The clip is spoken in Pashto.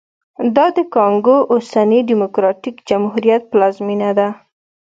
دا د کانګو اوسني ډیموکراټیک جمهوریت پلازمېنه ده